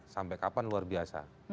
sampai kapan luar biasa